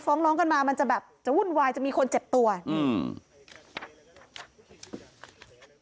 ฟ้องร้องกันมามันจะแบบจะวุ่นวายจะมีคนเจ็บตัวอืม